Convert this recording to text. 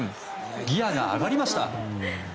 ギアが上がりました。